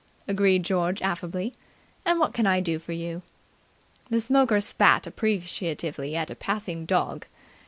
agreed George affably. "And what can I do for you?" The smoker spat appreciatively at a passing dog.